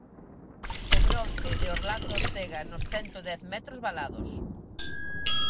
O bronce de Orlando Ortega nos cento dez metros valados.